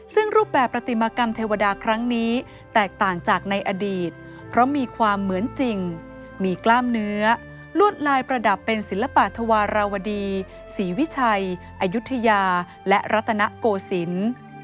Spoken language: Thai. ซึ่งรูปแบบปฏิมากรรมเทวดาครั้งนี้แตกต่างจากในอดีตเพราะมีความเหมือนจริงมีกล้ามเนื้อลวดลายประดับเป็นศิลปธวาราวดีศรีวิชัยอายุทยาและรัตนโกศิลป์